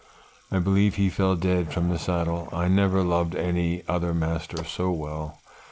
I believe he fell dead from the saddle. I never loved any other master so well.